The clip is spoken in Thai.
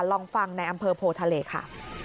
ลองฟังในอำเภอโพทะเลค่ะ